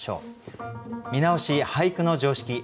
「見直し『俳句の常識』」。